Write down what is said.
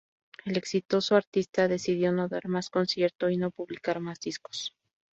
El exitoso artista decidió no dar más concierto y no publicar más discos.